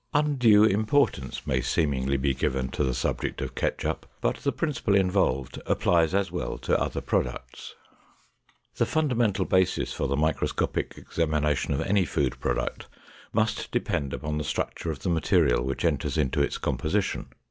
Undue importance may seemingly be given to the subject of ketchup, but the principle involved applies as well to other products. The fundamental basis for the microscopic examination of any food product must depend upon the structure of the material which enters into its composition.